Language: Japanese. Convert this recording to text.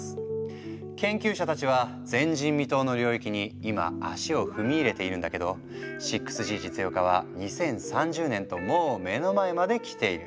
研究者たちは前人未踏の領域に今足を踏み入れているんだけど６Ｇ実用化は２０３０年ともう目の前まで来ている。